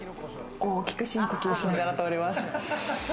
大きく深呼吸しながら通ります。